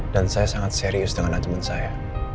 dan saya sangat serius dengan ajemen saya